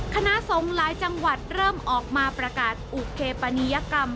คณะสงฆ์หลายจังหวัดเริ่มออกมาประกาศอุเคปานียกรรม